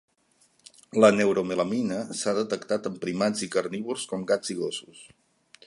La neuromelanina s'ha detectat en primats i carnívors com gats i gossos.